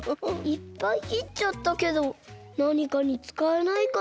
いっぱいきっちゃったけどなにかにつかえないかな？